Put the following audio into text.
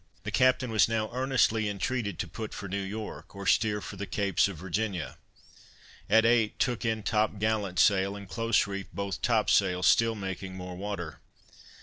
The captain was now earnestly intreated to put for New York, or steer for the Capes of Virginia. At eight, took in top gallant sail, and close reefed both top sails, still making more water.